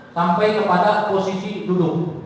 sampai kepada posisi duduk